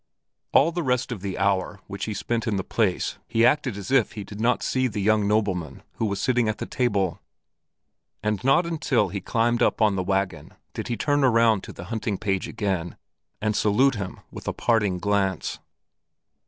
All the rest of the hour which he spent in the place he acted as though he did not see the young nobleman who was sitting at the table, and not until he climbed up on the wagon did he turn around to the hunting page again and salute him with a parting glance.